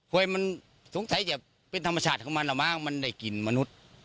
ไว้มันสงสัยจะเป็นธรรมชาติของมันแล้วมั้งมันได้กลิ่นมนุษย์